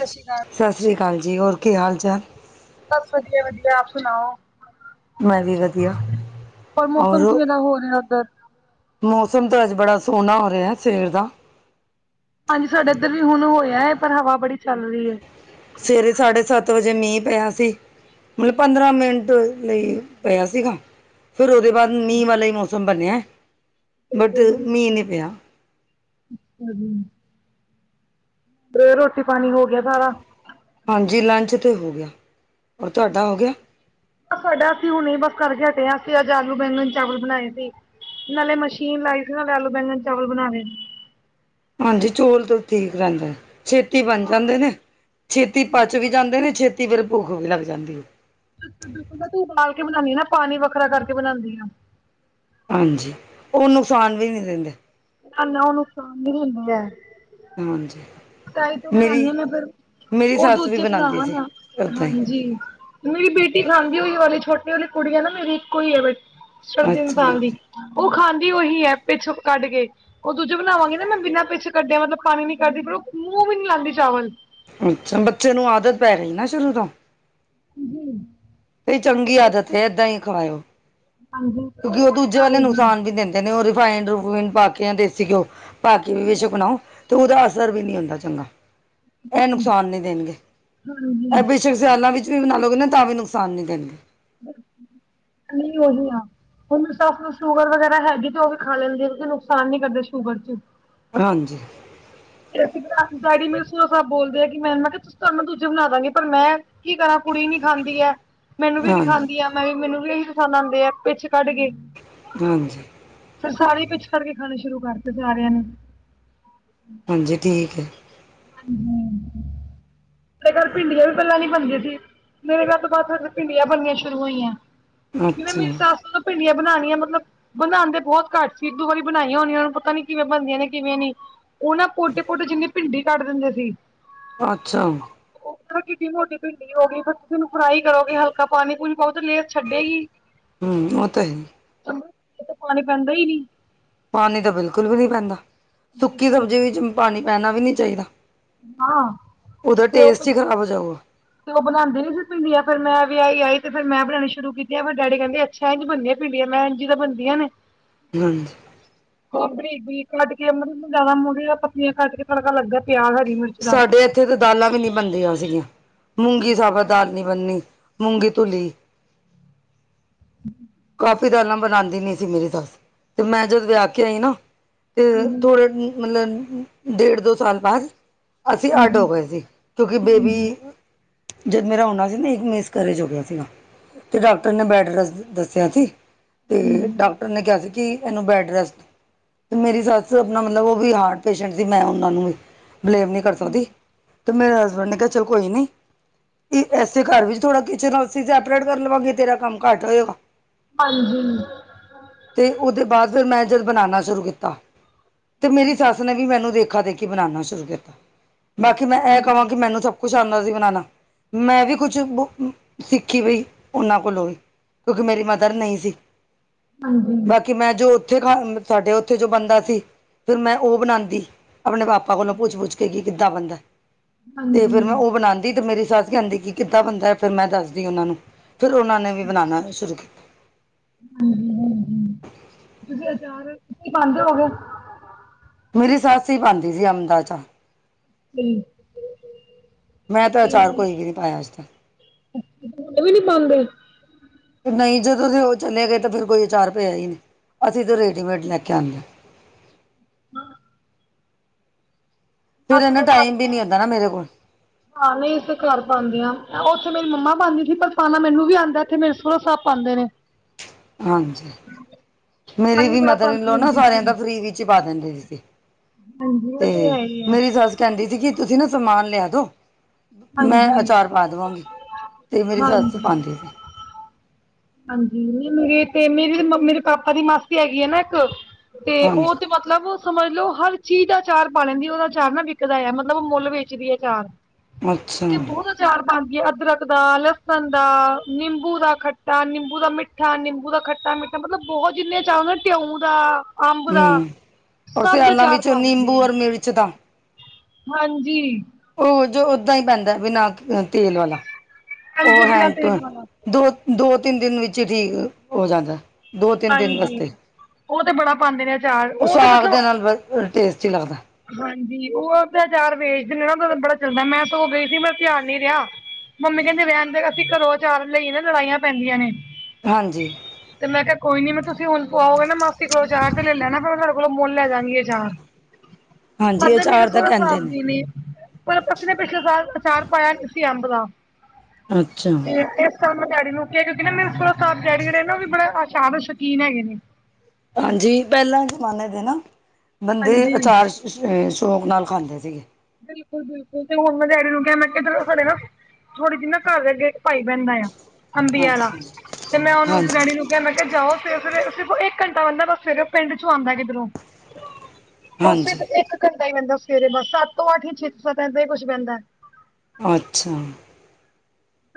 ਸਤਿ ਸ਼੍ਰੀ ਅਕਾਲ ਸਤਿ ਸ਼੍ਰੀ ਅਕਾਲ ਜੀ ਹੋਰ ਕੀ ਹਾਲ ਚਾਲ ਬਸ ਵਧੀਆ- ਵਧੀਆ ਆਪ ਸੁਣਾਓ। ਮੈਂ ਵੀ ਵਧੀਆ ਪਰ ਔਰ ਮੌਸਮ ਕਿਵੇਂ ਦਾ ਹੋ ਰਿਹਾ ਉੱਧਰ? ਮੌਸਮ ਤਾਂ ਅੱਜ ਬੜਾ ਸੋਹਣਾ ਹੋ ਰਿਹਾ ਅੱਜ ਸਵੇਰ ਦਾ। ਹਾਂਜੀ ਸਾਡਾ ਇੱਧਰ ਵੀ ਹੁਣ ਹੋਇਆ ਹੈ। ਪਰ ਹਵਾ ਬੜੀ ਚੱਲ ਰਹੀ ਹੈ। ਸਵੇਰੇ ਸਾਢੇ ਸੱਤ ਵਜੇ ਮੀਂਹ ਪਿਆ ਸੀ। ਮਤਲਬ ਪੰਦਰਾਂ ਮਿੰਟ ਲਈ ਪਿਆ ਸੀਗਾ ਫੇਰ ਉਹਦੇ ਬਾਅਦ ਮੀਂਹ ਵਾਲਾ ਹੀ ਮੌਸਮ ਬਣਿਆ ਬਟ ਅੱਛਾ ਜੀ ਮੀਂਹ ਨਹੀਂ ਪਿਆ ਰੋਟੀ ਪਾਣੀ ਹੋ ਗਿਆ ਸਾਰਾ। ਹਾਂਜੀ ਲੰਚ ਤੇ ਹੋ ਗਿਆ ਔਰ ਤੁਹਾਡਾ ਹੋ ਗਿਆ। ਸਾਡਾ ਅਸੀਂ ਹੁਣੇ ਹੀ ਬਸ ਕਰਕੇ ਹਟਏ ਸੀ ਅੱਜ ਆਲੂ ਬੈਂਗਣ ਚਾਵਲ ਬਣਾਏ ਸੀ। ਨਾਲੇ ਮਸ਼ੀਨ ਲਾਈ ਸੀ ਨਾਲੇ ਆਲੂ ਬੈਗਣ ਚਾਵਲ ਬਣਾ ਲ ਹਾਂਜੀ ਚੌਲ ਤੇ ਠੀਕ ਰਹਿੰਦਾ ਛੇਤੀ ਬਣ ਜਾਂਦੇ ਨੇ ਛੇਤੀ ਪਚ ਵੀ ਜਾਂਦੇ ਨੇ ਛੇਤੀ ਫੇਰ ਭੁੱਖ ਵੀ ਲੱਗ ਜਾਂਦੀ ਹੈ ਮੈਂ ਉਬਾਲ ਕੇ ਬਣਾਉਂਦੀ ਆ ਨਾ ਪਾਣੀ ਵੱਖਰਾ ਕਰਕੇ ਬਣਾਉਂਦੀ ਆ ਹਾਂਜੀ ਉਹ ਨੁਕਸਾਨ ਵੀ ਨਹੀ ਦਿੰਦੇ। ਨਾ ਉਹ ਨੁਕਸਾਨ ਨ ਹੁੰਦੀ ਹੈ। ਹਾਂਜੀ। ਤਾਹੀਂ ਤੋਂ ਬਣਾਨਣੀ ਮੇਰੀ ਹਾਂ ਮੈਂ ਫੇਰ ਮੇਰੀ ਉਹ ਸੱਸ ਵੀ ਦੂਜੇ ਬਣਾ ਬਣਾਉਂਦੀ ਸੀ ਨਾ ਓਦਾਂ ਹੀ ਹਾਂਜੀ ਮੇਰੀ ਬੇਟੀ ਖਾਂਦੀ ਹੋਈ ਛੋਟੀ ਵਾਲੀ ਕੁੜੀ ਆ ਨਾ ਮੇਰੀ ਇੱਕ ਹੋਈ ਹੈ ਸਰਦੀ ਨ ਅੱਛਾ ਖਾਨਦੀ ਉਹ ਖਾਂਦੀ ਉਹੀ ਹੈ ਪਿੱਛੋਂ ਕੱਢ ਕੇ ਉਹ ਦੂਜੇ ਬਣਾਵਾਂਗੀ ਨਾ ਮੈਂ ਬਿਨਾਂ ਪਿੱਛੇ ਕੱਢਿਆ ਮਤਲਬ ਪਾਣੀ ਨ ਕੱਢਦੀ ਪਰ ਉਹ ਮੂੰਹ ਵੀ ਨੀ ਲਾਉਦੀ ਚਾਵਲ ਅੱਛਾ, ਬੱਚੇ ਨੂੰ ਆਦਤ ਪੈ ਗਈ ਨਾ ਸ਼ੁਰੂ ਤੋਂ ਜੀ ਇਹ ਚੰਗੀ ਆਦਤ ਇਦਾ ਹੀ ਖਾਓ। ਹਾਂਜੀ ਕਿਉਂਕਿ ਉਹ ਦੂਜੇ ਵਾਲੇ ਆਏਗੀ ਨੁਕਸਾਨ ਵੀ ਦਿੰਦੇ- ਕਹਿੰਦੇ ਉਹ ਰਿਫਾਈਡ ਪਾ ਕੇ ਜਾਂ ਦੇਸੀ ਘਿਓ ਪਾ ਕੇ ਵੀਚ ਬਣਾਓ ਤੇ ਉਹਦਾ ਅਸਰ ਵੀ ਨਹੀਂ ਹੁੰਦਾ ਚੰਗਾ। ਇਹ ਨੁਕਸਾਨ ਨਹੀਂ ਦੇਣਗੇ ਹਾਂਜੀ ਇਹ ਸਿਆਲਾਂ ਵਿੱਚ ਵੀ ਬਣਾ ਲਓਗੇ ਨਾ ਤਾਂ ਵੀ ਨੁਕਸਾਨ ਨੀ ਦੇਣਗੇ ਨਹੀਂ ਉਹੀ ਆ ਮੇਰੀ ਸੱਸ ਨੂੰ ਸ਼ੂਗਰ ਵਗੈਰਾ ਹੈਗੀ ਤੇ ਉਹ ਵੀ ਖਾ ਲੈਂਦੇ ਨੁਕਸਾਨ ਨੀ ਕਰਦੇ ਸ਼ੂਗਰ ਚ ਹਾਂਜੀ। ਡੈਡੀ ਮੇਰੇ ਬੋਲਦੇ ਆ ਕਿ ਮੈਂ ਕਿਹਾ ਤੁਹਾਨੂੰ ਨਾਲ ਦੂਜੇ ਬਣਾ ਦਾਂਗੇ ਪਰ ਮੈਂ ਕੀ ਕਰਾਂ ਕੁੜੀ ਨੀ ਖਾਂਦੀ ਹੈ। ਮੈਨੂੰ ਵੀ ਨੀ ਹਾਂਜੀ ਖਾਂਦੀ ਹੈ। ਮੈਂ ਵੀ ਮੈਨੂੰ ਵੀ ਇਹੀ ਪਸੰਦ ਆਉਂਦੇ ਆ ਪਿੱਛ ਕੱਢ ਕੇ ਹਮ ਫਿਰ ਸਾਰੇ ਪਿੱਛ ਖੜ ਕੇ ਖਾਣੇ ਸ਼ੁਰੂ ਕਰਤੇ ਸਾਰਿਆਂ ਨੇ। ਹਾਂਜੀ ਠੀਕ ਹੈ। ਹਮ ਮੇਰੇ ਘਰ ਭਿੰਡੀਆਂ ਵੀ ਪਹਿਲਾਂ ਨੀ ਬਣਦੀਆਂ ਸੀ। ਮੇਰੇ ਘਰ ਤੋਂ ਬਾਅਦ ਫੇਰ ਭਿੰਡੀਆਂ ਬਣਨੀਆਂ ਸ਼ੁਰੂ ਹੋਈਆਂ। ਨਾ ਅੱਛਾ ਮੇਰੀ ਸੱਸ ਨੇ ਭਿੰਡੀਆਂ ਬਣਾਉਣੀਆਂ ਮਤਲਬ ਬਣਾਉਂਦੇ ਬਹੁਤ ਘੱਟ ਸੀ ਇੱਕ ਦੋ ਵਾਰੀ ਬਣਾਈਆਂ ਹੋਣ ਉਹਨਾਂ ਨੂੰ ਪਤਾ ਨੀ ਕਿਵੇਂ ਬਣਦੀਆਂ ਨੇ ਕਿਵੇਂ ਨੀ ਉਹ ਨਾ ਪੋਟੇ- ਪੋਟੇ ਜਿੰਨੇ ਭਿੰਡੀ ਕੱਢ ਦਿੰਦੇ ਸੀ। ਅੱਛਾ ਉਹ ਕਿਡੀ ਮੋਡੀ ਭਿੰਡੀ ਹੋ ਗਈ ਪਰ ਤੁਸੀਂ ਉਹਨੂੰ ਫਰਾਈ ਕਰੋਗੇ ਹਲਕਾ ਪਾਣੀ ਪੂਰੀ ਬਹੁਤ ਨੇਰ ਛੱਡੇ ਹੀ ਹਮ ਉਹ ਤਾਂ ਹੀ ਤੇ ਪਾਣੀ ਪੈਂਦਾ ਹੀ ਨੀ ਪਾਣੀ ਤਾਂ ਬਿਲਕੁਲ ਵੀ ਨਹੀਂ ਪੈਂਦਾ ਸੁੱਕੀ ਬਿਲਕੁਲ ਸਬਜ਼ੀ ਵਿੱਚ ਪਾਣੀ ਪੈਣਾ ਵੀ ਨਹੀਂ ਚਾਹੀਦਾ ਹਾਂ ਉਹਦਾ ਤੇ ਉਹ ਟੇਸਟ ਹੀ ਖ਼ਰਾਬ ਹੋ ਜਾਊਗਾ ਤੇ ਉਹ ਬਣਾਉਂਦੀ ਨਹੀਂ ਸੀ ਪੀਂਦੀਆ ਫਿਰ ਮੈਂ ਵੀ ਵਿਹਾਇ ਆਈ ਤੇ ਫਿਰ ਮੈਂ ਬਉਣੀ ਸ਼ੁਰੂ ਕੀਤੀ ਆ ਫਿਰ ਡੈਡੀ ਕਹਿੰਦੀ ਸ਼ਹਿਦ ਬਣਦੀਆਂ ਪਿੰਡੀਆਂ ਮੈਂਣ ਜੀ ਤਾਂ ਬਣਦੀਆਂ ਨੇ, ਹਾਂਜੀ, ਬਰੀਕ ਬਰੀਕ ਕੱਟ ਕੇ ਮਤਲਬ, ਜਿਆਦਾ ਮੁ ਪਤੀਆਂ ਕੱਟ ਕੇ ਤੜਕਾ ਲੱਗਾ ਪਿਆ ਹਰੀ ਮਿਰਜ। ਸਾਡੇ ਇੱਥੇ ਤਾਂ ਦਾਲਾਂ ਵੀ ਨੀ ਬਣਦੀਆਂ ਸੀਗੀਆਂ, ਮੂੰਗੀ ਸਾਬਤ ਦਾਲ ਨੀ ਬਣਦੀ। ਮੂੰਗੀ ਤੁਲੀ ਹਮ ਕਾਫੀ ਦਾਲਾਂ ਬਣਾਉਂਦੀ ਨੀ ਸੀ। ਮੇਰੀ ਸੱਸ ਤੇ ਮੈਂ ਜਦੋਂ ਵਿਆਹ ਕੇ ਆਈ ਨਾ ਤੇ ਥੋੜਾ ਮਤਲਬ ਡੇਢ ਦੋ ਸਾਲ ਬਾਅਦ ਅਸੀਂ ਅੱਡ ਹੋ ਗਏ ਸੀ। ਕਿਉਂਕਿ ਬੇਬੀ ਜਦ ਮੇਰਾ ਹੋਣਾ ਸੀ। ਨਾ ਇੱਕ ਮਿਸ ਕਰੇਜ ਹੋ ਗਿਆ ਸੀਗਾ। ਤੇ ਡਾਕਟਰ ਨੇ ਬੈਡ ਰੈਸਟ ਦੱਸਿਆ ਸੀ ਅਤੇ ਡਾਕਟਰ ਨੇ ਕਿਹਾ ਸੀ ਕਿ ਇਹਨੂੰ ਬੈਡ ਰੈਸਟ ਤੇ ਮੇਰੀ ਸੱਸ ਆਪਣਾ ਮਤਲਬ ਉਹ ਵੀ ਹਾਰਟ ਪੇਸ਼ੈਂਟ ਸੀ। ਮੈਂ ਉਹਨਾਂ ਨੂੰ ਵੀ ਬਲੇਮ ਨਹੀਂ ਕਰ ਸਕਦੀ ਅਤੇ ਮੇਰੇ ਹਸਬੈਂਡ ਨੇ ਕਿਹਾ ਚਲ ਕੋਈ ਨਹੀਂ ਇਸੇ ਘਰ ਵਿੱਚ ਥੋੜ੍ਹਾ ਕਿਚਨ ਅਸੀਂ ਸੈਪਰੇਟ ਕਰ ਲਵਾਂਗੇ ਤੇਰਾ ਕੰਮ ਘੱਟ ਹੋਏਗਾ। ਹਾਂਜੀ, ਅਤੇ ਉਹਦੇ ਬਾਅਦ ਫਿਰ ਮੈਂ ਜਦੋਂ ਬਣਾਉਣਾ ਸ਼ੁਰੂ ਕੀਤਾ। ਤੇ ਮੇਰੀ ਸੱਸ ਨੇ ਵੀ ਮੈਨੂੰ ਦੇਖਾ-ਦੇਖੀ ਬਣਾਉਣਾ ਸ਼ੁਰੂ ਕੀਤਾ, ਬਾਕੀ ਮੈਂ ਇਹ ਕਹਾਂ ਕਿ ਮੈਨੂੰ ਤਾਂ ਕੁਛ ਆਉਂਦਾ ਸੀ ਬਣਾਉਣਾ, ਮੈਂ ਵੀ ਕੁਛ ਸਿੱਖੀ ਪਈ ਉਹਨਾਂ ਕੋਲੋਂ ਵੀ ਕਿਉਂਕਿ ਮੇਰੀ ਮਦਰ ਨਹੀਂ ਸੀ। ਹਾਂਜੀ, ਕਿ ਮੈਂ ਜੋ ਉੱਥੇ ਖਾ ਸਾਡੇ ਉੱਥੇ ਜੋ ਬੰਦਾ ਸੀ, ਫਿਰ ਮੈਂ ਉਹ ਬਣਾਉਦੀ। ਆਪਣੇ ਪਾਪਾ ਕੋਲੋਂ ਪੁੱਛ-ਪੁੱਛ ਕੇ ਕੀ ਕਿੱਦਾਂ ਬਣਦੀ, ਹਾਂਜੀ ਤੇ ਫੇਰ ਮੈਂ ਹਾਂਜੀ ਉਹ ਬਣਾਉਂਦੀ ਤੇ ਮੇਰੀ ਸੱਸ ਕ ਆਂਦੀ ਕਿ ਕਿੱਦਾਂ ਬੰਨਦਾ ਹੈ, ਫਿਰ ਮੈਂ ਦੱਸਦੀ ਉਹਨਾਂ ਨੂੰ ਫਿਰ ਉਹਨਾਂ ਨੇ ਵੀ ਬਣਾਉਣਾ ਸ਼ੁਰੂ ਕੀਤਾ। ਹਾਂਜੀ ਹੂੰ, ਤੁਸੀਂ ਅਚਾਰ ਤੁਸੀ ਪਾਾਦੇ ਹੋਗੇ। ਮੇਰੀ ਸੱਸ ਹੀ ਪਾਉਂਦੀ ਸੀ ਅੰਬ ਦਾ ਅਚਾਰ, [unintelligible] ਮੈਂ ਤਾਂ ਅਚਾਰ ਕੋਈ ਵੀ ਨਹੀਂ ਪਾਇਆ ਅੱਜ ਤੱਕ ਵੀ ਨੀ ਪਾਦੇ, ਨਹੀਂ ਜਦੋਂ ਉਹ ਚਲੇ ਗਏ, ਤਾਂ ਫੇਰ ਕੋਈ ਆਚਾਰ ਪਇਆ ਹੀ ਨਹੀਂ, ਅਸੀਂ ਤਾਂ ਰੇਡੀਮੇਡ ਲੈ ਕੇ ਆਨੇ ਆ, [unintelligible] ਫਿਰ ਅਸੀਂ ਇਹਨੂੰ ਤਾਂ ਟਾਈਮ ਘੱਟ ਵੀ ਨੀ ਪਾਂਦੇ ਹੁੰਦਾ ਨਾ ਮੇਰੇ ਕੋਲ ਹਾਂ ਨਹੀਂ ਤੇ ਘਰ ਪਾਉਂਦੇ ਆ, ਉੱਥੇ ਮੇਰੀ ਮੰਮਾ ਪਾਉਂਦੀ ਸੀ, ਪਰ ਪਾਣਾ ਮੈਨੂੰ ਵੀ ਆਦਾ ਇਥੇ ਮੇਰੇ ਸੋਂਰਾ ਸਾਹਿਬ ਪਾਉਂਦੇ ਨੇ, [unintelligible] ਹਾਂਜੀ ਮੇਰੀ ਨਾਨੀ ਵੀ ਬੜਾ ਮਦਰ ਇਨ ਪਾਉਂਦੀ ਲੋ ਨਾ ਹੁੰਦੀ ਸੀ ਸਾਰਿਆਂ ਦਾ ਫਰੀ ਵਿੱਚ ਪਾ ਦਿੰਦੇ ਸੀ। ਹਾਂਜੀ ਉਹ ਤੇ ਹੈ ਹੀ ਹੈ ਮੇਰੀ ਸੱਸ ਕਹਿੰਦੀ ਸੀ, ਕਿ ਤੁਸੀਂ ਨਾ ਸਮਾਨ ਲਿਆ ਦੋ। ਮੈਂ ਹਾਂਜੀ ਅਚਾਰ ਪਾ ਦੇਵਾਂਗੀ, ਤੇ ਮੇਰੀ ਸੱਸ ਹਾਂਜੀ ਪਾਉਂਦੀ ਸੀ। ਹਾਂਜੀ ਮੇਰੇ ਤੇ ਮੇਰੀ ਮੇਰੇ ਪਾਪਾ ਦੀ ਮਾਸੀ ਹੈਗੀ, ਆ ਨਾ ਇੱਕ ਤੇ ਹਾਂਜੀ ਉਹ ਤੇ ਮਤਲਬ, ਸਮਝ ਲਓ ਹਰ ਚੀਜ਼ ਦਾ ਚਾਰ ਪਾ ਲੈਂਦੀ ਉਹਦਾ ਚਾਰ ਨਾ ਵਿਕਦਾ ਹੈ, ਮਤਲਬ ਮੁੱਲ ਵੇਚਦੀ ਹੈ ਅਚਾਰ ਅੱਛਾ ਤੇ ਬਹੁਤ ਉਚਾਰ ਪਾਦੀ ਆ ਅਦਰਕ ਦਾ, ਲਸਣ ਦਾ ਨਿੰਬੂ ਦਾ ਤਾਂ ਨਿੰਬੂ ਦਾ ਮਿੱਠਾ, ਨਿੰਬੂ ਦਾ, ਖੱਟਾ ਮਿੱਠਾ, ਮਤਲਬ ਬਹੁਤ ਜਿੰਨੇ ਚਾਰ ਨਾ ਘਿਓ ਦਾ। ਅੰਬ ਦਾ ਹਮ ਔਰ ਸਭ ਦੇ ਸਿਆਲਾਂ ਚਾਰ ਵਿੱਚ ਪਾ ਨਿੰਬੂ ਦਿੰਦੀ ਹੈ। ਔਰ ਮਿਰਚ ਦਾ, ਹਾਂਜੀ, ਉਹ ਜੋ ਓਦਾਂ ਹੀ ਪੈਂਦਾ ਬਿਨਾ ਤੇਲ ਵਾਲਾ ਉਹ ਹਾਂਜੀ ਬਿਨਾਂ ਹੈਂਡ ਟੂ ਤੇਲ ਹੈ। ਵਾਲਾ ਦੋ-ਦੋ ਤਿੰਨ ਦਿਨ ਵਿੱਚ ਹੀ ਠੀਕ ਹੋ ਜਾਂਦਾ, ਦੋ ਤਿੰਨ ਦਿਨ ਬਸ ਹਾਂਜੀ ਉਹ ਤੇ ਬੜਾ ਪਾਉਂਦੇ ਨੇ ਅਚਾਰ ਉਸ ਉਹ ਤੇ ਸਾਗ ਮਤਲਬ ਦੇ ਨਾਲ ਟੇਸਟੀ ਲੱਗਦਾ। ਹਾਂਜੀ ਉਹ ਅਭਿਆਚਾਰ ਵੇਚਦੇ ਨੇ ਨਾ ਬੜਾ ਚੱਲਦਾ, ਮੈਂ ਤਾਂ ਉਹ ਗਈ ਸੀ, ਧਿਆਨ ਨੀ ਰਿਹਾ। ਮੰਮੀ ਕਹਿੰਦੇ ਰਹਿਣ ਦੋ ਅਸੀਂ ਘਰੋਂ ਅਚਾਰ ਲਈ ਨਾ ਲੜਾਈਆਂ ਪੈਂਦੀਆਂ ਨੇ, ਹਾਂਜੀ, ਤੇ ਮੈਂ ਕਿਹਾ, ਕੋਈ ਨੀ ਮੈਂ ਤੁਸੀਂ ਹੁਣ ਕਓਗੇ, ਨਾ ਮਾਸੀ ਕੋਲੋਂ ਅਚਾਰ ਤੇ ਲੈ ਲੈਣਾ ਫਿਰ ਮੈਂ ਤੁਹਾਡੇ ਮੁੱਲ ਲੈ ਜਾਗੀ ਅਚਾਰ ਹਾਂਜੀ ਪੱਦਾ ਮੇਰਾ ਅਚਾਰ ਤਾਂ ਸਹਰਾ ਕਹਿੰਦੇ ਸਾਫ਼ ਵੀ ਨੇ, ਪਰ ਪੱਖੇ ਨੇ ਪਿਛਲੇ ਸਾਲ ਅਚਾਰ ਪਾਇਆ ਨ ਅੰਬ ਦਾ ਅੱਛਾ ਤੇ ਇਹ, ਸ ਕੈੜ ਨੂੰ ਕਿਆ, ਕਿਉਂਕਿ ਨਾ ਮੇਰੇ ਸੈੜ ਜਿਹੜੇ ਨਾ ਉਹ ਵੀ ਬੜੇ ਆਸ਼ਾਨ ਸ਼ੌਕੀਨ ਹੈਗੇ ਨੇ, ਹਾਂਜੀ ਪਹਿਲਾਂ ਜ਼ਮਾਨੇ ਦੇ ਨਾ ਬੰਦੇ ਹਾਂਜੀ। ਅਚਾਰ ਸ਼ੌਂਕ ਨਾਲ ਖਾਂਦੇ ਸੀਗੇ। ਬਿਲਕੁਲ, ਬਿਲਕੁਲ ਤੇ ਹੁਣ ਮੈਂ ਡੈਡੀ ਨੂੰ ਕਿਹਾ, ਮੈਂ ਕਿੱਧਰੋਂ ਸਾਡੇ ਨਾ ਥੋੜੀ ਜੀ ਨਾ ਘਰ ਲਾਗੇ। ਭਾਈ ਬਹਿੰਦਾ ਆ ਅੰਬੀਆਂ ਦਾ ਅੱਛਾ। ਤੇ ਮੈਂ ਉਹਨੂੰ ਡੇਡੀ ਹਾਂਜੀ, ਨੂੰ ਮੈਂ ਕਿਹਾ ਜਾਓ ਫਿਰ, ਫਿਰ ਇੱਕ ਘੰਟਾ ਬੰਦਾ ਬਸ ਫਿਰ ਉਹ ਪਿੰਡ ਚੋਂ ਆਉਂਦਾ ਕਿਧਰੋਂ, ਉਹ ਸਿਰਫ ਹਾਂਜੀ ਇੱਕ ਘੰਟਾ ਹੀ ਹੂੰਦਾ, ਸਵੇਰੇ ਬਸ ਸੱਤ ਤੋਂ ਅੱਠ ਛੇ ਤੋਂ ਸੱਤ ਈ ਹੀ ਕੁਛ ਪਹਿੰਦਾ। ਅੱਛਾ,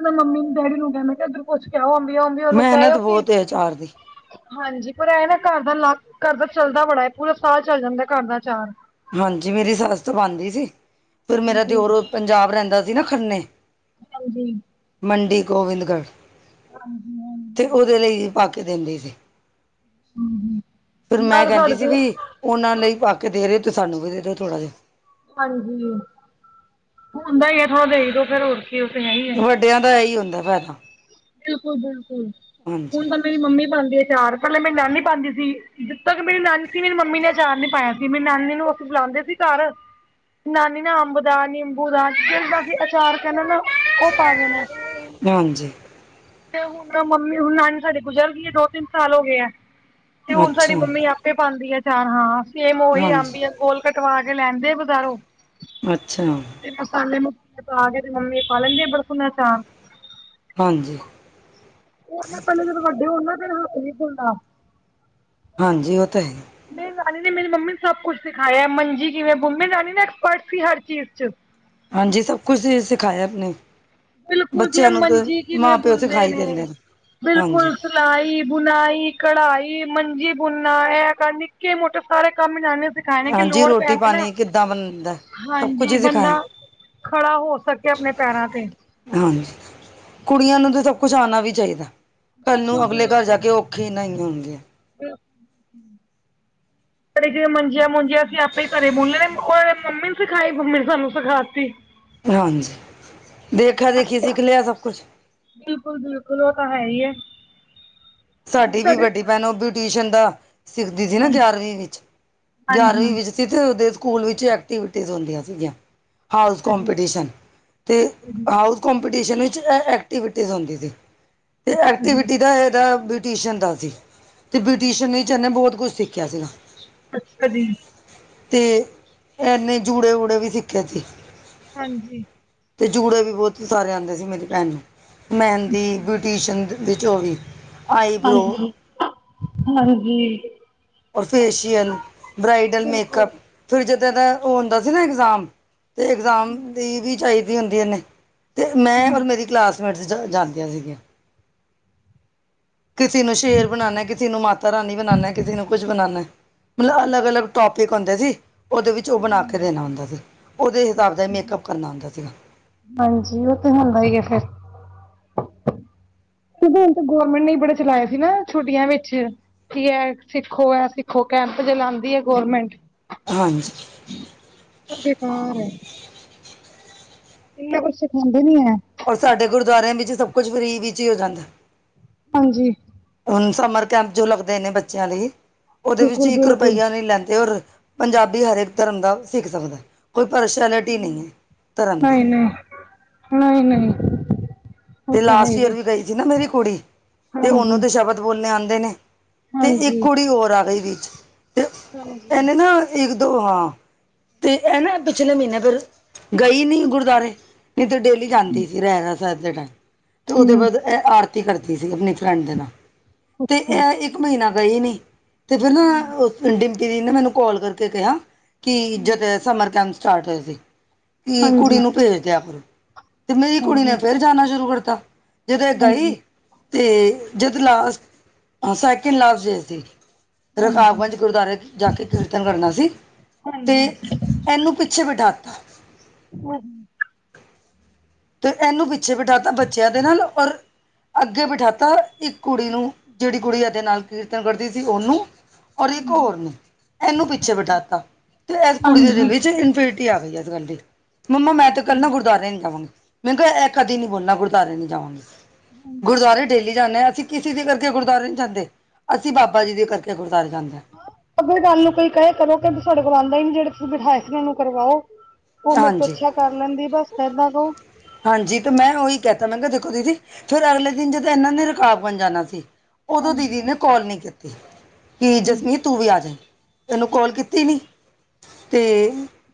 ਮੈਂ ਮੰਮੀ ਨੂੰ ਡੈਡੀ ਨੂੰ ਕਹਿ ਮੈਂ ਕਿਹਾ, ਇੱਧਰ ਕੁੱਛ ਕਹਿ ਅਬੀ ਅਬੀ ਉਹਨੂੰ ਕਹਿਓ ਮਿਹਨਤ ਕਿ ਬਹੁਤ ਏ ਅਚਾਰ ਦੀ। ਹਾਂਜੀ ਪਰ ਇਹ ਨਾ ਘਰ ਦਾ ਲਾ ਘਰ ਦਾ ਚੱਲਦਾ ਬੜਾ ਹੈ, ਪੂਰਾ ਸਾਲ ਚੱਲ ਜਾਂਦਾ ਘਰ ਦਾ ਚਾਰ ਹਾਂਜੀ ਮੇਰੀ ਸੱਸ ਬਣਦੀ ਸੀ, ਫਿਰ ਮੇਰਾ ਬਿਲਕੁਲ ਦਿਓਰ ਪੰਜਾਬ ਰਹਿੰਦਾ ਸੀ ਨਾ ਖੰਨੇ। ਹਾਂਜੀ ਮੰਡੀ ਗੋਵਿੰਦਗੜ੍ਹ, ਹਾਂਜੀ, ਤੇ ਉਹਦੇ ਲਈ ਵੀ ਪਾ ਕੇ ਦਿੰਦੀ ਆ। [unintelligible] ਫਿਰ ਮੈਂ ਨਾਲ ਕਹਿੰਦੀ ਸਾਡੇ ਸੀ ਕੋਲ ਵੀ, ਉਹਨਾਂ ਲਈ ਪਾ ਕੇ ਦੇ ਰਹੇ ਹੋ ਤੁੂੰ ਸਾਨੂੰ ਵੀ ਦੇ ਦਿਓ ਥੋੜ੍ਹਾ ਜਿਹਾ। ਹਾਂਜੀ ਹੁੰਦਾ ਹੀ ਹੈ, ਥੋੜਾ ਦੇਖ ਦੋ ਫੇਰ ਹੋਰ ਕੀ ਉਥੇ ਹੈ ਹੀ। ਜਿਹਾ। ਵੱਡਿਆਂ ਦਾ ਇਹੀ ਹੁੰਦਾ ਫੈਦਾ। ਬਿਲਕੁਲ, ਬਿਲਕੁਲ ਹਾਂਜੀ, ਹੁਣ ਤਾਂ ਮੇਰੀ ਮੰਮੀ ਪਾਉਂਦੀ ਆ ਚਾਰ ਪਹਿਲੇ ਮੇਰੀ ਨਾਨੀ ਪਾਉਂਦੀ ਸੀ। ਜਿੱਦੋਂ ਕਿ ਮੇਰੀ ਨਾਨੀ ਸੀ, ਮੇਰੀ ਮੰਮੀ ਨੇ ਅਚਾਰ ਨੀ ਪਾਇਆ ਸੀ ਮੇਰੀ ਨਾਨੀ ਨੂੰ ਅਸੀਂ ਬੁਲਾਉਂਦੇ ਸੀ ਘਰ ਨਾਨੀ ਨੇ ਅੰਬ ਦਾ ਨਿੰਬੂ ਦਾ ਜਿਦਾ ਵੀ ਅਚਾਰ ਕਹਦਾ ਨਾ ਉਹ ਪਾ ਦੇਣਾ। [unintelligible] ਤੇ ਹੁਣ ਮੰਮੀ ਹੁਣ ਨਾਨੀ ਸਾਡੀ ਗੁਜ਼ਰ ਗਈ ਹੈ, ਦੋ ਤਿੰਨ ਸਾਲ ਹੋ ਗਏ ਆ ਤੇ ਹੁਣ ਅੱਛਾ, ਸਾਡੀ ਮੰਮੀ ਆਪ। ਪਾਉਂਦੀ ਆ ਚਾਰ ਹਾਂ, ਸੇਮ ਉਹੀ ਅੰਬ ਹਾਂਜੀ, ਕੋੋਲ ਕਟਵਾ ਕੇ ਲੈਂਦੇ ਆ ਬਜ਼ਾਰੋਂ, ਅੱਛਾ, ਤੇ ਮਸਾਲੇ ਮਸੇ ਪਾ ਕੇ, ਤੇ ਮੰਮੀ ਪਾ ਲੈਂਦੇ ਬੜਕੁਨਾ ਚਾਰ ਹਾਂਜੀ ਪਹਿਲੇ ਜਦੋਂ ਵੱਡੇ ਹੋਣ ਨਾ ਫਿਰ ਬੁਲਣਾ, ਹਾਂਜੀ ਉਹ ਤਾਂ ਹੈ, ਮੇਰੀ ਨਾਨੀ ਨੇ ਮੇਰੀ ਮੰਮੀ ਨੂੰ ਸਭ ਕੁੱਛ ਸਿਖਾਇਆ, ਮੰਜੀ ਕਿਵੇਂ ਬ ਮੇਰੀ ਨਾਨੀ ਨੇ ਐਕਸਪਰਟ ਸੀ ਹਰ ਚੀਜ਼ ਚ ਹਾਂਜੀ ਸਭ ਕੁਛ ਸਿਖਾਇਆ ਆਪ ਨੇ, ਬਿਲਕੁਲ ਜੀ ਮੰਜੀ ਕਿਵੇਂ ਪਿਓ ਬੋਲਦੇ ਸਿਖਾਈ ਨੇ ਦਿੰਦੇ ਹਾਂਜੀ ਬਿਲਕੁਲ ਸਿਲਾਈ ਬੁਣਾਈ ਕਢਾਈ ਮੰਜੀ ਬੁਨਾ ਕਰ, ਨਿੱਕੇ ਮੋਟੇ ਸਾਰੇ ਕੰਮ ਜਾਂਦੇ ਹੁੰ ਖਾਣੇ ਕੀ ਹਾਂਜੀ ਲੋੜ ਰੋਟੀ ਪਿਆ ਕੇ ਨਾ, ਪਾਣੀ ਕਿੱਦਾਂ ਬਣਦਾ ਸਭ ਕੁਝ ਹਾਂਜੀ ਹੀ ਬੰਦਾ ਸਿਖਾਇਆ ਖੜਾ ਹੋ ਸਕੇ, ਆਪਣੇ ਪੈਰਾਂ ਤੇ ਹਾਂਜੀ ਕੁੜੀਆਂ ਨੂੰ ਤਾਂ ਸਭ ਕੁਛ ਆਣਾ ਵੀ ਚਾਹੀਦਾ। ਕੱਲ ਨੂੰ ਬਿਲਕੁਲ ਅਗਲੇ ਘਰ ਜਾ ਕੇ ਬਿਲਕੁਲ ਔਖੀ ਨਾਈ ਆਂਦੀ। ਘਰੇ ਜ ਮੰਜੀਆਂ, ਮੁਜੀਆਂ ਅਸੀਂ ਆਪੇ ਹੀ ਘਰੇ ਬੋਲਿਆ ਨੇ ਮੰਮੀ ਨੇ ਸਿਖਾਈ ਮੰਮੀ ਨੇ ਸਾਨੂੰ ਸਿਖਾ ਦਿੱਤੀ। ਹਾਂਜੀ, ਦੇਖਾ ਦੇਖੀ ਸਿੱਖ ਲਿਆ ਸਭ ਕੁਛ ਬਿਲਕੁਲ-ਬਿਲਕੁਲ ਉਹ ਤਾਂ ਹੈ ਹੀ ਹੈ। ਹੁਣ ਸਾਡੀ ਵੀ ਸਾਡੇ ਵੱਡੀ ਭੈਣ ਬਿਊਟੀਸ਼ਨ ਦਾ ਸਿੱਖਦੀ ਸੀ ਨਾ ਗਿਆਰਵੀਂ ਵਿੱਚ, ਗਿਆਰਵੀਂ ਹਾਂਜੀ ਹਾਂਜੀ ਵਿੱਚ ਸਿੱਧ ਦੇ ਸਕੂਲ ਵਿੱਚ ਐਕਟੀਵਿਟੀਜ ਹੁੰਦੀਆਂ ਸੀਗੀਆਂ। ਹਾਊਸ ਕੰਪੀਟੀਸ਼ਨ ਅਤੇ ਹਾਂਜੀ ਹਾਊਜ਼ ਕਪੀਟੀਸ਼ਨ ਵਿੱਚ ਐਕਟੀਵਿਟੀਜ਼ ਹੁੰਦੀ ਸੀ, ਅਤੇ ਹਾਂਜੀ ਐਕਟੀਵਿਟੀ ਦਾ ਇਹਦਾ ਬ੍ਰਿਟੀਸ਼ਨ ਦਾ ਸੀ, ਅਤੇ ਹਾਂਜੀ ਬ੍ਰਿਟੀਸ਼ਨ ਹੀਨੇ ਬਹੁਤ ਕੁਛ ਸਿੱਖਿਆ ਸੀਗਾ। ਅੱਛਾ ਜੀ। ਅਤੇ ਇਨੇ ਜੂੜੇ-ਵੂੜੇ ਵੀ ਸਿੱਖੇ ਸੀ। ਹਾਂਜੀ। ਤੇ ਜੂੜੇ ਵੀ ਬਹੁਤ ਸਾਰੇ ਆਂਦੇ ਸੀ ਮੇਰੀ ਭੈਣ ਨੂੰ ਮਹਿੰਦੀ, ਬਿਊਟੀ ਵਿੱਚ ਵੀ ਆਈਬ੍ਰੋ ਹਾਂਜੀ-ਹਾਂਜੀ। ਔਰ ਫੇਸ਼ੀਅਲ, ਬਰਾਈਡਲ ਮੇਕਅੱਪ ਫਿਰ ਜਿੱਦਾਂ, ਦਾ ਉਹ ਹੁੰਦਾ ਸੀ ਨਾ ਇਗਜ਼ਾਮ ਅਤੇ ਇਗਜ਼ਾਮ ਦੀ ਵੀ ਚਾਹੀਦੀ ਹੁੰਦੀ ਹਨੇ। ਅਤੇ ਮੈਂ ਔਰ ਮੇਰੀ ਕਲਾਸਮੇਟਸ ਜਾ ਜਾਂਦੀਆਂ ਸੀਗੀਆਂ। ਕਿਸੇ ਨੂੰ ਸ਼ੇਰ ਬਣਾਣਾ ਕਿਸੇ ਨੂੰ ਮਾਤਾ ਤਰ੍ਹਾਂ ਨੀ ਬਣਾਨਣਾ ਕਿਸੇ ਨੂੰ ਕੁਝ ਬਣਾਉਣਾ, ਮਤਲਬ ਅਲੱਗ ਅਲੱਗ ਟੋਪਿਕ ਹੁੰਦੇ ਸੀ। ਉਹਦੇ ਵਿੱਚ ਉਹ ਬਣਾ ਕੇ ਦੇਣਾ ਹੁੰਦਾ ਸੀ, ਉਹਦੇ ਹਿਸਾਬ ਦਾ ਇਹ ਮੇਕਅਪ ਕਰਨਾ ਹੁੰਦਾ ਸੀਗਾ। ਹਾਂਜੀ, ਉਹ ਤੇ ਹੁੰਦਾ ਹੀ ਆ ਫੇਰ ਕਿਉਂਕ ਹੁਣ ਤਾਂ ਗੌਰਮੈਂਟ ਨੇ ਈ ਬੜੇ ਚਲਾਏ ਸੀ ਨਾ ਛੁੱਟੀਆਂ ਵਿੱਚ ਕੀ ਐ ਸਿੱਖੋ ਐ ਸਿੱਖੋ ਕੈਂਪ ਚਲਾਉਂਦੀ ਐ ਗੋਰਮੈਂਟ ਹਾਂਜੀ। ਓ ਬੇਕਾਰ ਆ ਇੰਨਾ ਕੁਛ ਸਿਖਾਂਦੇ ਨੀ ਐ। ਔਰ ਸਾਡੇ ਗੁਰਦੁਵਾਰਿਆਂ ਵਿੱਚ ਸਭ ਕੁਛ ਫ੍ਰਰੀ ਵਿੱਚ ਹੀ ਹੋ ਜਾਂਦਾ। ਹਾਂਜੀ। ਹੁਣ ਸਮਰ ਕੈਂਪ ਜੋ ਲੱਗਦੇ ਨੇ ਬੱਚਿਆਂ ਲਈ, ਉਹਦੇ ਵਿੱਚ ਬਿਲਕੁਲ ਇੱਕ ਬਿਲਕੁਲ ਰੁਪਈਆ ਨਹੀਂ ਲੈਂਦੇ। ਔਰ ਪੰਜਾਬੀ ਹਰੇਕ ਧਰਮ ਦਾ ਸਿੱਖ ਸਕਦਾ। ਕੋਈ ਪਰਸ਼ੈਲਿਟੀ ਨੀ ਐ। ਨਹੀਂ-ਨਹੀਂ, ਨਹੀਂ ਨਹੀਂ, ਉਹ ਤੇ ਤਾਂ ਹੈ ਲਾਸਟ ਹੀ ਈਅਰ ਹੈ ਵੀ ਗਈ ਸੀ ਨਾ ਮੇਰੀ ਕੁੜੀ, ਤੇ ਹਾਂਜੀ ਉਹਨੂੰ ਤੇ ਸ਼ਬਦ ਬੋਲਣੇ ਆਂਦੇ ਨੇ। ਤੇ ਇੱਕ ਹਾਂਜੀ ਕੁੜੀ ਹੋਰ ਆ ਗਈ ਵਿੱਚ, ਤੇ ਹਾਂਜੀ ਇਹਨੇ ਨਾ ਇੱਕ-ਦੋ ਹਾਂ ਤੇ ਇਹ ਨਾ ਪਿਛਲੇ ਮਹੀਨੇ ਫਿਰ ਗਈ ਨੀ ਗੁਰਦੁਆਰੇ ਨਹੀਂ, ਤਾਂ ਡੇਲੀ ਜਾਂਦੀ ਸੀ। ਰਹਿ ਰਾ ਸਾਹਬ ਦੇ ਟਾਈਮ ਤੇ ਉਹਦੇ ਹਮ ਬਾਅਦ ਇਹ ਆਰਤੀ ਕਰਦੀ ਸੀ। ਆਪਣੀ ਫਰੈਂਡ ਦੇ ਨਾਲ ਤੇ ਅੱਛਾ ਇਹ ਇੱਕ ਇੱਕ ਮਹੀਨਾ ਗਈ ਨੀ। ਤੇ ਫਿਰ ਨਾ ਉਸ ਡੀਪੀ ਦੀਦੀ ਨੇ ਮੈਨੂੰ ਕਾਲ ਕਰਕੇ ਕਿਹਾ ਕੀ ਜਦ ਸਮਰ ਕੈਂਪ ਸਟਾਰਟ ਹੋਏ ਸੀ। ਕਿ ਹਾਂਜੀ ਕੁੜੀ ਨੂੰ ਭੇਜਦੇ ਕਰੋ ਤੇ ਮੇਰੀ ਕੁੜੀ ਹਾਂਜੀ ਨੇ ਫੇਰ ਜਾਣਾ ਸ਼ੁਰੂ ਕਰਤਾ। ਜਦੋਂ ਐ ਹਾਂਜੀ ਗਈ ਤੇ ਜਦੋਂ ਲਾਸਟ ਸੈਕਿੰਡ ਲਾਸਟ ਗਏ ਸੀ। ਹਾਂਜੀ ਰਕਾਵਗੰਜ ਗੁਰਦੁਆਰੇ ਦੀ ਜਾ ਕੇ ਕੀਰਤਨ ਕਰਨਾ ਸੀ। ਤੇ ਹਾਂਜੀ ਇਹਨੂੰ ਪਿੱਛੇ ਬੈਠਾਤਾ। [unintelligible] ਤੇ ਇਹਨੂੰ ਪਿੱਛੇ ਬਿਠਾਤਾ ਬੱਚਿਆਂ ਦੇ ਨਾਲ ਔਰ ਅੱਗੇ ਬਿਠਾਤਾ ਇੱਕ ਕੁੜੀ ਨੂੰ ਜਿਹੜੀ ਕੁੜੀ ਇਹਦੇ ਨਾਲ ਕੀਰਤਨ ਕਰਦੀ ਸੀ। ਉਹਨੂੰ ਔਰ ਇੱਕ ਹੋਰ ਨੂੰ, ਇਹਨੂੰ ਪਿੱਛੇ ਬਿਠਾਤਾ ਤੇ ਇਸ ਕੁੜੀ ਦੇ ਹਾਂਜੀ ਦਿੱਲੀ ਚ ਇਨਫੀ ਟੀ ਆ ਗਈ ਇਸ ਗੱਲ ਦੀ ਮੰਮਾ ਮੈਂ ਤੇ ਕੱਲ ਨਾ ਗੁਰਦਵਾਰੇ ਨੀ ਜਾਵਾਂਗੀ। ਮੈ ਕਿਹਾ ਇਹ ਕਦੀ ਨੀ ਬੋਲਣਾ ਗੁਰਦੁਆਰੇ ਨੀ ਜਾਵਾਂਗੀ। ਗੁਰਦੁਆਰੇ ਡੇਲੀ ਜਾਣਾ ਅਸੀਂ ਕਿਸੇ ਦੇ ਕਰਕੇ ਗੁਰਦੁਆਰੇ ਨੀ ਜਾਂਦੇ। ਅਸੀਂ ਬਾਬਾ ਜੀ ਦੇ ਕਰਕੇ ਗੁਰਦੁਆਰੇ ਜਾਂਦੇ ਆ। [unintelligible] ਗੱਲ ਨੂੰ ਕੋਈ ਕਹਿ ਕਰੋ ਕਿ ਸਾਡੇ ਕੋਲੋਂ ਆਂਦੇ ਨੀ ਜਿਹੜੇ ਤੁਸੀਂ ਬਿਠਾਏ ਸੀ ਉਹਨੂੰ ਕਰਵਾਓ। ਉਹ ਮੇਰੇ ਤੋਂ ਹਾਂਜੀ ਅੱਛਾ ਕਰ ਲੈਂਦੀ। ਬਸ ਇਦਾਂ ਕਹੋ ਹਾਂਜੀ, ਤੇ ਮੈਂ ਉਹੀ ਕਹਿਤਾ ਮੈਂ ਕਿਹਾ ਦੇਖੋ ਦੀਦੀ ਫੇਰ ਅਗਲੇ ਦਿਨ ਜਦੋਂ ਇਹਨਾਂ ਨੇ ਰਕਾਵ ਗੰਜ ਜਾਣਾ ਸੀ। ਉਦੋਂ ਦੀਦੀ ਨੇ ਕੋਲ ਨੀ ਕੀਤੀ। ਕਿ ਜਸਮੀਤ ਤੂੰ ਵੀ ਆ ਜੀ ਇਹਨੂੰ ਕੋਲ ਕੀਤੀ ਨੀ। ਤੇ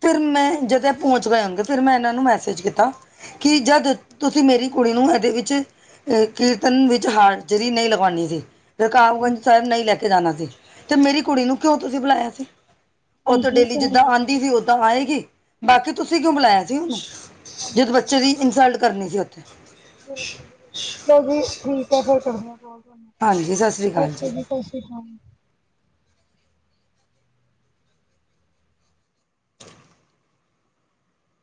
ਫਿਰ ਮੈਂ ਜਦੋਂ ਪਹੁੰਚ ਗਏ ਹੋਣਗੇ ਫਿਰ ਮੈਂ ਇਹਨਾਂ ਨੂੰ ਮੈਸੇਜ ਕੀਤਾ। ਕਿ ਜਦ ਤੁਸੀਂ ਮੇਰੀ ਕੁੜੀ ਨੂੰ ਇਹਦੇ ਵਿੱਚ ਕੀਰਤਨ ਵਿੱਚ ਹਾਜਰੀ ਨਹੀਂ ਲਗਾਣੀ ਸੀ। ਰਕਾਬਗੰਜ ਸਾਹਿਬ ਨਹੀਂ ਲੈ ਕੇ ਜਾਣਾ ਸੀ ਤੇ ਮੇਰੀ ਕੁੜੀ ਨੂੰ ਕਿਉਂ ਤੁਸੀਂ ਬੁਲਾਇਆ ਸੀ। ਉਹ ਤਾਂ ਹਾਂਜੀ ਡੇਲੀ ਜਿੱਦਾਂ ਹਾਂਜੀ ਆਂਦੀ ਸੀ, ਓਦਾਂ ਆਏਗੀ, ਬਾਕੀ ਤੁਸੀਂ ਕਿਉਂ ਬੁਲਾਇਆ ਸੀ ਉਹਨੂੰ? ਜਦੋਂ ਬੱਚੇ ਦੀ ਇਨਸਲਟ ਕਰਨੀ ਸੀ ਉੱਥੇ। ਠੀਕ ਐ ਜੀ, ਠੀਕ ਆ ਫੇਰ ਕਰਨੇ ਆ ਕੋਲ, ਹਾਂਜੀ ਸਤਿ ਸ੍ਰੀ ਅਕਾਲ ਓਕੇ ਜੀ ਸਾਸੀ ਕਾਲ।